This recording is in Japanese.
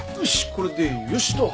これでよしと。